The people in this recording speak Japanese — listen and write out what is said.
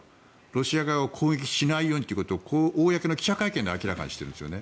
ロシア側を攻撃しないようにということを公の記者会見で明らかにしているんですよね。